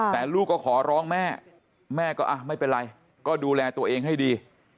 แต่ลูกก็ขอร้องแม่แม่ก็ไม่เป็นไรก็ดูแลตัวเองให้ดี